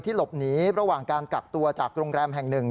หลบหนีระหว่างการกักตัวจากโรงแรมแห่งหนึ่ง